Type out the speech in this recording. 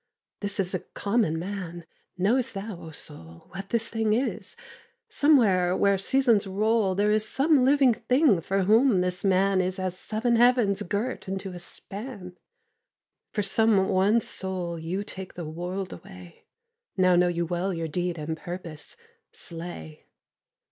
'This is a common man: knowest thou, O soul, What this thing is? somewhere where seasons roll There is some living thing for whom this man Is as seven heavens girt into a span, For some one soul you take the world away Now know you well your deed and purpose. Slay!'